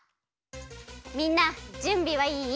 みんなじゅんびはいい？